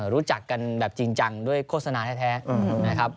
รู้จักกันแบบจริงจังด้วยโฆษณาแท้นะครับ